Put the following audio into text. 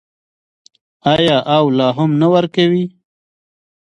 آیا او لا هم نه ورکوي؟